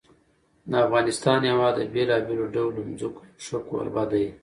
د افغانستان هېواد د بېلابېلو ډولو ځمکو یو ښه کوربه دی.